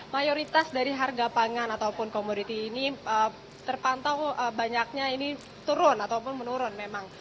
mayoritas dari harga pangan ataupun komoditi ini terpantau banyaknya ini turun ataupun menurun memang